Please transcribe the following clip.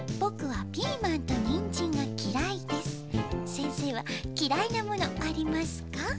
せんせいはきらいなものありますか？」。